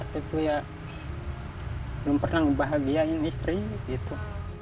yang bikin dia sempurna itu ya belum pernah ngebahagiain istri gitu